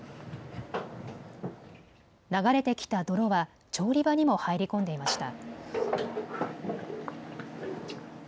流れてきた泥は調理場にも入り込んでいました。